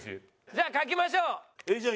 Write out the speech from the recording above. じゃあ書きましょう。